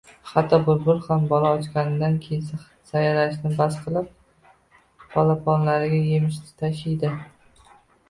Hatto bulbul ham bola ochganidan keyin sayrashni bas qilib, polaponlariga yemish tashiydi.